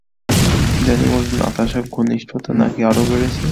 ইদানীং অর্জুন নাতাশা ঘনিষ্ঠতা নাকি আরও বেড়েছে।